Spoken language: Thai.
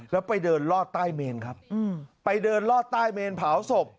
แล้วไปเดินลอดใต้เมนครับไปเดินลอดใต้เมนเผาศพ